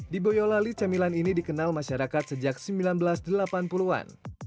di boyolali cemilan ini dikenal masyarakat sejak seribu sembilan ratus delapan puluh an